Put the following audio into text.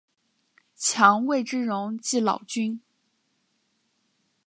强为之容即老君。